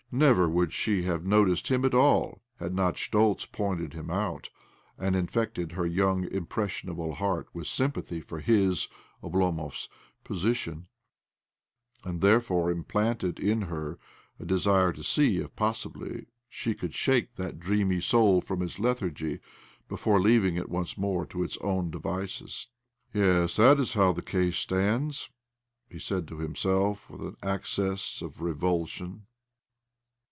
Never would she have noticed him at all, had not Schtoltz pointed him out, and infected her young, impressionable heart with sympathy for his (Oblomov's) position, and therefore implanted in her a desire to see if possibly she could shake that dreamy soul from its lethargy before leaving it once more to its own devices. " Yes, that is how the case stands," he said to himself with an access of revulsion.